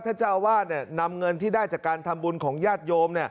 เจ้าอาวาสนำเงินที่ได้จากการทำบุญของญาติโยม